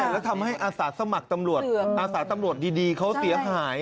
แล้วทำให้อาสาสมัครตำรวจอาสาตำรวจดีเขาเสียหาย